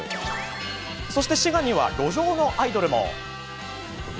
そして、滋賀には路上のアイドルも！